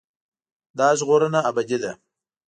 دا ژغورنه ابدي ده.